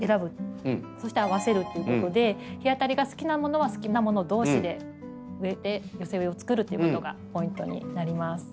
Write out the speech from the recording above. そして合わせるということで日当たりが好きなものは好きなもの同士で植えて寄せ植えをつくるということがポイントになります。